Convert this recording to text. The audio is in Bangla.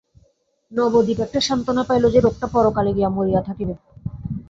নবদ্বীপ একটা সান্ত্বনা পাইল যে, লোকটা পরকালে গিয়া মরিয়া থাকিবে।